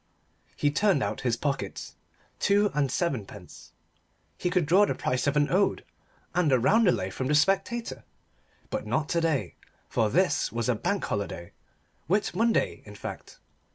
He turned out his pockets. Two and seven pence. He could draw the price of an ode and a roundelay from the Spectator but not to day, for this was a Bank Holiday, Whit Monday, in fact.